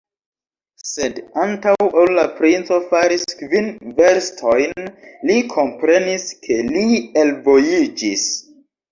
Sed antaŭ ol la princo faris kvin verstojn, li komprenis, ke li elvojiĝis.